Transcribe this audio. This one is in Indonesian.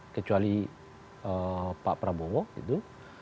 kecuali pak prabowo gitu